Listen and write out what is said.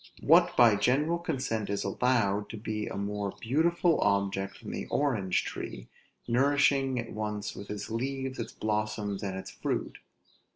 What by general consent is allowed to be a more beautiful object than an orange tree, nourishing at once with its leaves, its blossoms, and its fruit?